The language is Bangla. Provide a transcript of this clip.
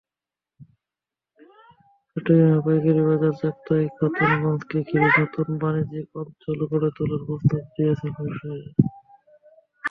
চট্টগ্রামের পাইকারি বাজার চাক্তাই-খাতুনগঞ্জকে ঘিরে নতুন বাণিজ্যিক অঞ্চল গড়ে তোলার প্রস্তাব দিয়েছেন ব্যবসায়ীরা।